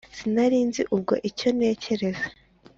sinari nzi ubwo icyo ntekereza.